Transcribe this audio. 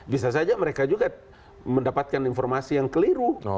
bisa saja mereka juga mendapatkan informasi yang keliru